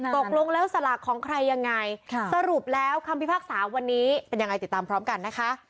ตกลงแล้วสลากของใครยังไงสรุปแล้วคำพิพากษาวันนี้เป็นยังไงติดตามพร้อมกันนะคะ